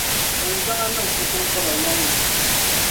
O ni zaŋ a niŋ o kpiŋkpama lɔŋ ni.